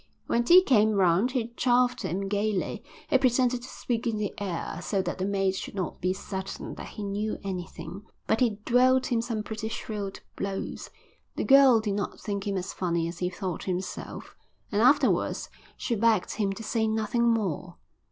When tea came round he chaffed him gaily. He pretended to speak in the air, so that the mate should not be certain that he knew anything, but he dealt him some pretty shrewd blows. The girl did not think him as funny as he thought himself, and afterwards she begged him to say nothing more.